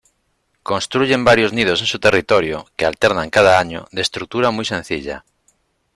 Construyen varios nidos en su territorio, que alternan cada año, de estructura muy sencilla.